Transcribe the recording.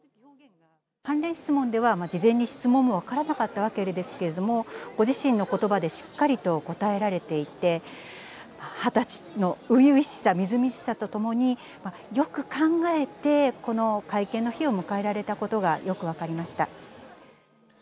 関連質問では、事前に質問が分からなかったわけですけれども、ご自身のことばでしっかりと答えられていて、２０歳の初々しさ、みずみずしさとともに、よく考えて、この会見の日を迎えられたことがよく分かりました。